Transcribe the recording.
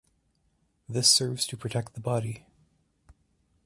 This serves to protect the body.